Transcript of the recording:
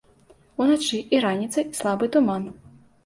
Уначы і раніцай слабы туман.